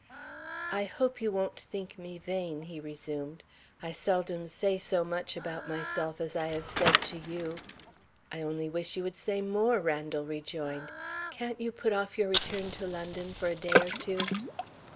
"I hope you won't think me vain," he resumed; "I seldom say so much about myself as I have said to you." "I only wish you would say more," Randal rejoined. "Can't you put off your return to London for a day or two?"